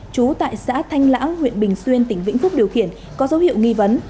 trú tại xã thanh lãng huyện bình xuyên tỉnh vĩnh phúc điều khiển có dấu hiệu nghi vấn